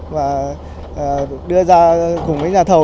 và đưa ra cùng với nhà thầu